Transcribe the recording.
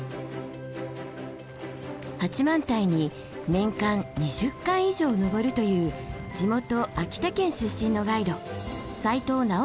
八幡平に年間２０回以上登るという地元秋田県出身のガイド齋藤直昭さんです。